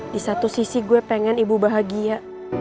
di satu sisi gue pengen ibu bahagia